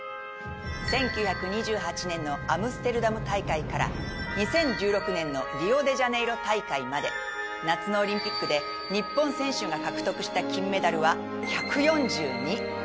１９２８年のアムステルダム大会から２０１６年のリオデジャネイロ大会まで夏のオリンピックで日本選手が獲得した金メダルは１４２。